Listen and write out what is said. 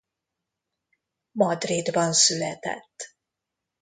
Madridban született.